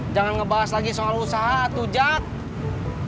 jangan ngebahas lagi soal usaha tuh jack